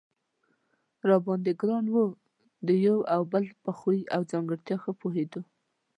را باندې ګران و، د یو او بل په خوی او ځانګړتیا ښه پوهېدو.